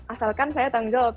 asalkan saya tanggung jawab